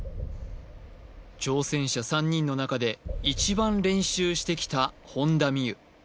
挑戦者３人の中で一番練習してきた本田望結